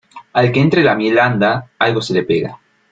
Al que entre la miel anda, algo se le pega.